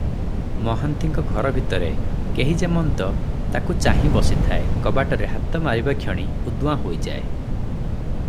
ମହାନ୍ତିଙ୍କ ଘର ଭିତରେ କେହି ଯେମନ୍ତ ତାକୁ ଚାହିଁ ବସିଥାଏ, କବାଟରେ ହାତ ମାରିବାକ୍ଷଣି ଉଦୁଆଁ ହୋଇଯାଏ ।